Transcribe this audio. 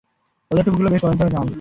ওদের টুপিগুলো বেশ পছন্দ হয়েছে আমার!